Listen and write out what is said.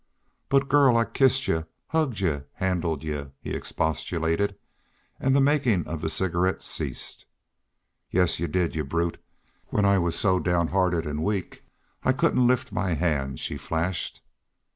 "But, girl I kissed y'u hugged y'u handled y'u " he expostulated, and the making of the cigarette ceased. "Yes, y'u did y'u brute when I was so downhearted and weak I couldn't lift my hand," she flashed.